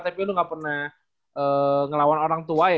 tapi lu gak pernah ngelawan orang tua ya